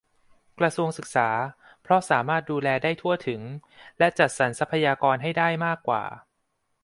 กระทรวงศึกษา เพราะสามารถดูแลได้ทั่วถึง และ จัดสรรทรัพยากรให้ได้มากกว่า